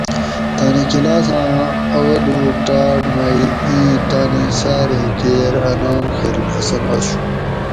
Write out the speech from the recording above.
"تانی کلاساں اولوک ٹاٹ مے ایں تانی ساریں کیر ا نام ""خیرالحسن"" آشو"